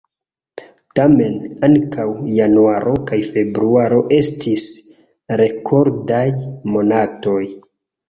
Tamen, ankaŭ januaro kaj februaro estis rekordaj monatoj.